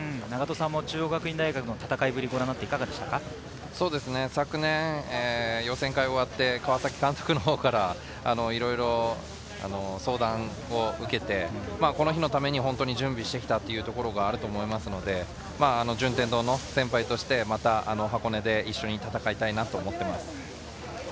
中央学院大学の戦いぶり、去年予選会が終わって川崎監督から、いろいろ相談を受けて、この日のために準備をしてきたということがあると思うので、順天堂の先輩としてまた箱根で一緒に戦いたいと思っています。